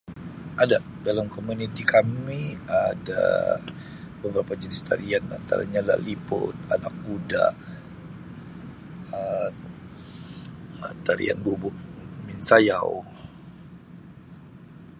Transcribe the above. Ada dalam komuniti kami ada beberapa jenis talian antaranya laliput, anak kuda, Um tarian bubu minsayau